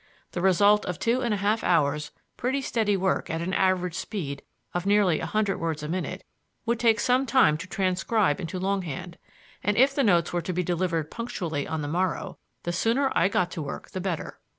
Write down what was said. The result of two and a half hours' pretty steady work at an average speed of nearly a hundred words a minute, would take some time to transcribe into longhand; and if the notes were to be delivered punctually on the morrow, the sooner I got to work the better.